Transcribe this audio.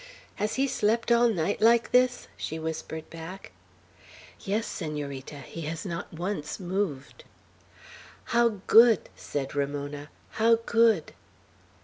"Has he slept all night like this?" she whispered back. "Yes, Senorita. He has not once moved." "How good!" said Ramona. "How good!"